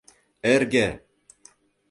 «Эрге!